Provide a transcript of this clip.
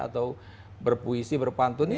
atau berpuisi berpantuni